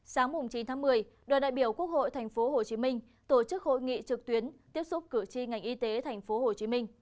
sáng chín tháng một mươi đoàn đại biểu quốc hội tp hcm tổ chức hội nghị trực tuyến tiếp xúc cử tri ngành y tế tp hcm